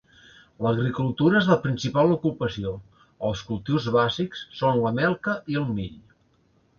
L'agricultura és la principal ocupació; els cultius bàsics són la melca i el mill.